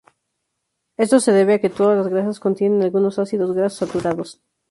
Esto se debe a que todas las grasas contienen algunos ácidos grasos saturados.